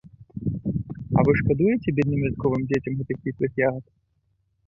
А вы шкадуеце бедным вясковым дзецям гэтых кіслых ягад.